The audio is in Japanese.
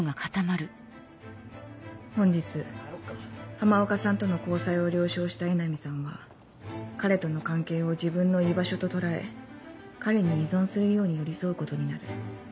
本日浜岡さんとの交際を了承した江波さんは彼との関係を自分の居場所と捉え彼に依存するように寄り添うことになる。